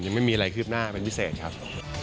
ยังไม่มีอะไรคืบหน้าเป็นพิเศษครับ